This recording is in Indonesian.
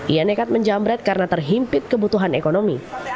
ia nekat menjamret karena terhimpit kebutuhan ekonomi